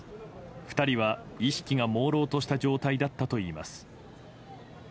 ２人は意識がもうろうとした状態だったといいます。